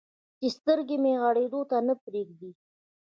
چې سترګې مې غړېدو ته نه پرېږدي.